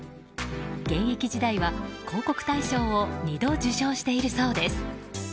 現役時代は広告大賞を２度受賞しているそうです。